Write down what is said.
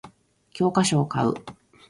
教科書を買う